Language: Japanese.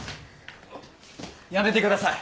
やめてください。